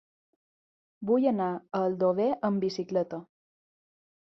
Vull anar a Aldover amb bicicleta.